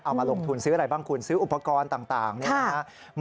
เอามาลงทุนซื้ออะไรบ้างคุณซื้ออุปกรณ์ต่างนี่นะครับ